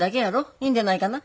いいんでないかな？